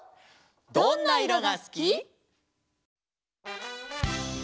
「どんな色がすき」。